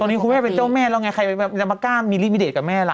ตอนนี้คุณแม่เป็นเจ้าแม่แล้วไงใครจะมากล้ามีลิมิเดตกับแม่ล่ะ